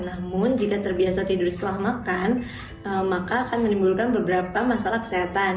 namun jika terbiasa tidur setelah makan maka akan menimbulkan beberapa masalah kesehatan